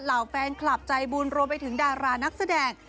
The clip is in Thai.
เหล่าแฟนคลับใจบุญรวมไปถึงดารานักแสดง